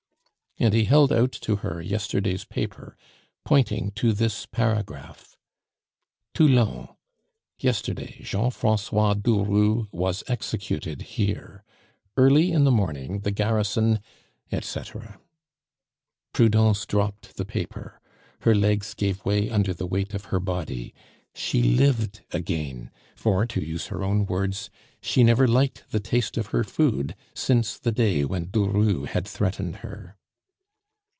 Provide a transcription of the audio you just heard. And he held out to her yesterday's paper, pointing to this paragraph: "TOULON Yesterday, Jean Francois Durut was executed here. Early in the morning the garrison," etc. Prudence dropped the paper; her legs gave way under the weight of her body; she lived again; for, to use her own words, she never liked the taste of her food since the day when Durut had threatened her.